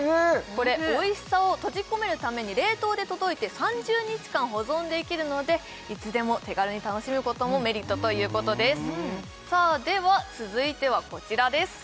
これおいしさを閉じ込めるために冷凍で届いて３０日間保存できるのでいつでも手軽に楽しむこともメリットということですさあでは続いてはこちらです